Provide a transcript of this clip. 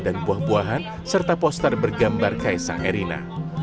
dan buah buahan serta poster bergambar kaisang erina